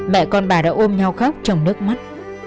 mẹ con bà đã ôm nhau khóc trong nước mắt